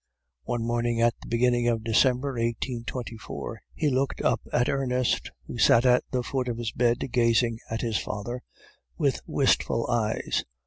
"One morning at the beginning of December 1824, he looked up at Ernest, who sat at the foot of his bed gazing at his father with wistful eyes.